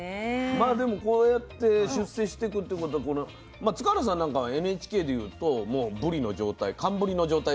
まあでもこうやって出世してくってことは塚原さんなんかはＮＨＫで言うともうぶりの状態寒ぶりの状態ですよね？